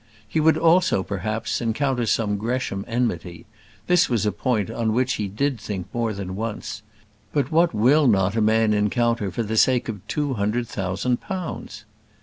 He would also, perhaps, encounter some Gresham enmity: this was a point on which he did think more than once: but what will not a man encounter for the sake of two hundred thousand pounds?